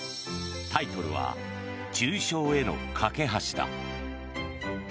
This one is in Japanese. タイトルは「抽象への架け橋」だ。